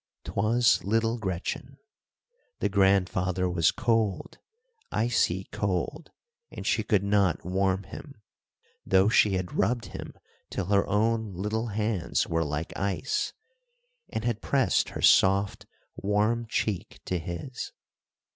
'Twas little Gretchen. The grandfather was cold, icy cold, and she could not warm him, though she had rubbed him till her own little hands were like ice, and had pressed her soft, warm cheek to his.